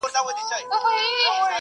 کله چي ته راغلې ما مطالعه کوله.